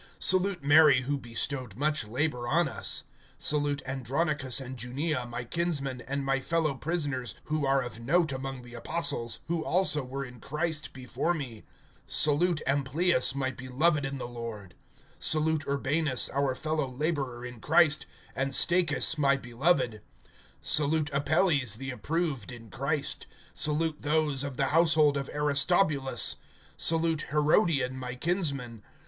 (6)Salute Mary, who bestowed much labor on us[16:6]. (7)Salute Andronicus and Junia, my kinsmen, and my fellow prisoners, who are of note among the apostles, who also were in Christ before me. (8)Salute Amplias, my beloved in the Lord. (9)Salute Urbanus, our fellow laborer in Christ, and Stachys my beloved. (10)Salute Apelles, the approved in Christ. Salute those of the household of Aristobulus. (11)Salute Herodion my kinsman.